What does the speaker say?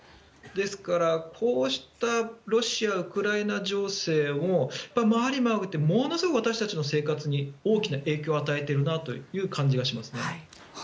ですから、こうしたロシア、ウクライナ情勢も回り回ってものすごく私たちの生活に大きな影響を与えているなという感じがしますね。